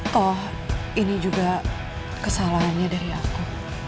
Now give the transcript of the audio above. toh ini juga kesalahannya dari aku